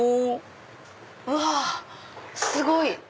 うわすごい！